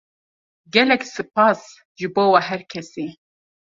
Gelek spas ji bo we her kesî.